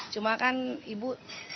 cuma kan ibu